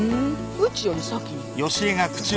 うちより先に。